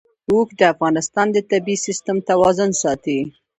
اوښ د افغانستان د طبعي سیسټم توازن ساتي.